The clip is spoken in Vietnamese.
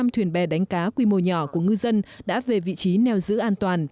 một trăm linh thuyền bè đánh cá quy mô nhỏ của ngư dân đã về vị trí neo giữ an toàn